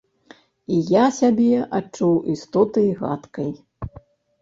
І я сябе адчуў істотай гадкай.